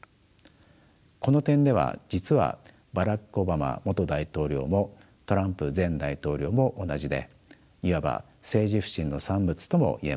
この点では実はバラク・オバマ元大統領もトランプ前大統領も同じでいわば政治不信の産物ともいえます。